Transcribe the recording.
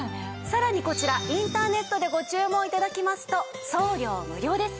さらにこちらインターネットでご注文頂きますと送料無料です。